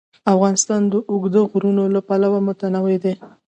افغانستان د اوږده غرونه له پلوه متنوع دی.